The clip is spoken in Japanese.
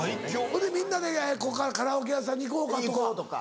ほいでみんなでこれからカラオケ屋さんに行こうかとか。